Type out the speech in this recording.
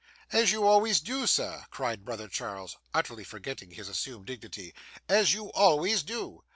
'As you always do, sir,' cried brother Charles, utterly forgetting his assumed dignity, 'as you always do.